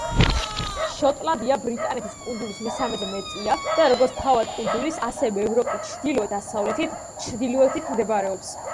შოტლანდია ბრიტანეთის კუნძულის მესამედზე მეტია და როგორც თავად კუნძულის, ასევე ევროპის ჩრდილო-დასავლეთით ჩრდილოეთით მდებარეობს.